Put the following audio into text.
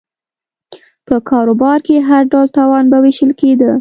په کاروبار کې هر ډول تاوان به وېشل کېده